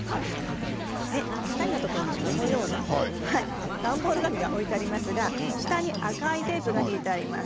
お二人のところに、このような段ボール紙が置いてありますが下に赤いテープが引いてあります。